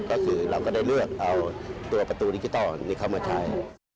ก็คือเราก็ได้เลือกเอาตัวประตูดิกิตอลในคำเอามาถ่าย